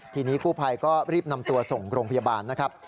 ทีนี้กู้ภัยก็รีบนำตัวส่งโรงพยาบาลนะครับ